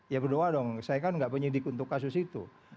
ya berdoa dong saya kan nggak penyidik untuk kasus itu